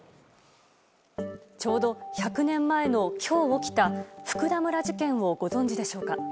ちょうど１００年前の今日起きた福田村事件をご存じでしょうか。